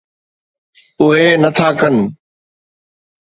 اهي نٿا ڪن.